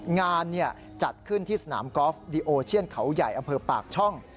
งานจัดขึ้นที่สนามกอล์ฟดีโอเชียนเขาใหญ่อำเภอปากช่อง